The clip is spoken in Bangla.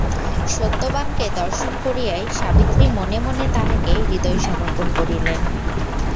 সত্যবানকে দর্শন করিয়াই সাবিত্রী মনে মনে তাঁহাকে হৃদয় সমর্পণ করিলেন।